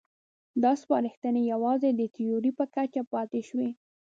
دا سپارښتنې یوازې د تیورۍ په کچه پاتې شوې.